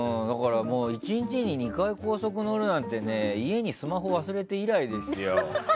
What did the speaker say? １日に２回、高速に乗るなんて家にスマホ忘れて以来ですよ。